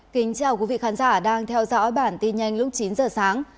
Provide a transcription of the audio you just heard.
kính chào quý vị khán giả đang theo dõi bản tin nhanh lúc chín giờ sáng